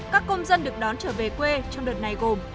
các công dân được đón trở về quê trong đợt này gồm